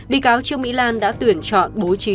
bị cáo trương mỹ lan đã tuyển chọn bố trí